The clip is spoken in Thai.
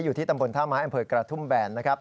อยู่ที่ตำบลธามารแอมเภอกระทุ่มแบนนะครับ